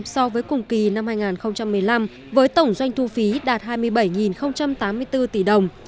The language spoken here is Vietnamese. sáu mươi chín so với cùng kỳ năm hai nghìn một mươi năm với tổng doanh thu phí đạt hai mươi bảy tám mươi bốn tỷ đồng